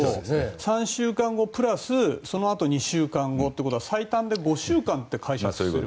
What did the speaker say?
３週間後プラスそのあと２週間後ということは最短で５週間と解釈すればいいと。